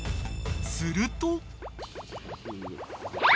［すると］